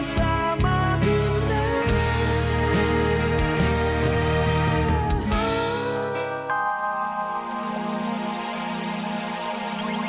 silah dalam tidurmu